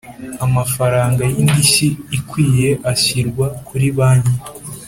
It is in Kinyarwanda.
amafaranga y indishyi ikwiye ashyirwa kuri banki